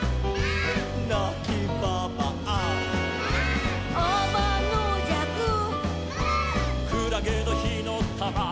「なきばばあ」「」「あまのじゃく」「」「くらげのひのたま」「」